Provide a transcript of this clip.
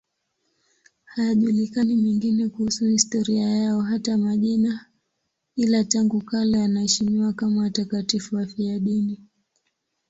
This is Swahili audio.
Hayajulikani mengine kuhusu historia yao, hata majina, ila tangu kale wanaheshimiwa kama watakatifu wafiadini.